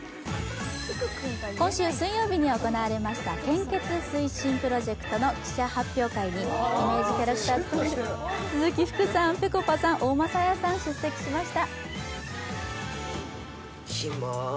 今週水曜日に行われました、献血推進プロジェクトの記者発表会にイメージキャラクターの鈴木福さん、ぺこぱさん、大政絢さんが出席しました。